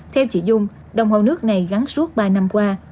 theo chị dung đồng hồ nước này gắn suốt ba năm qua